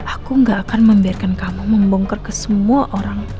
aku gak akan membiarkan kamu membongkar ke semua orang